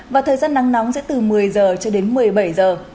và thời gian nắng nóng sẽ từ một mươi giờ cho đến một mươi bảy giờ